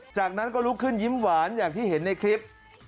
จากนั้นก็ลุกขึ้นยิ้มหวานอย่างที่เห็นในคลิป